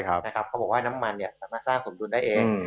เขาบอกว่าน้ำมันสามารถสร้างสมดุลได้เอง